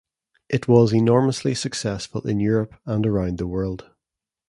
It was enormously successful in Europe and around the world.